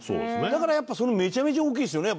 だからやっぱめちゃめちゃ大きいですよね。